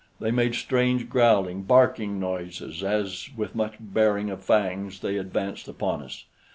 They made strange growling, barking noises, as with much baring of fangs they advanced upon us.